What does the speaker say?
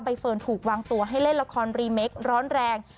เฟิร์นถูกวางตัวให้เล่นละครรีเมคร้อนแรง